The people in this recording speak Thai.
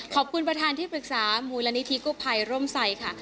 ขอบคุณประธานที่ปรึกษามูลนิธิกู้ภัยร่มใส่ค่ะ